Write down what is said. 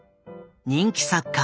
人気作家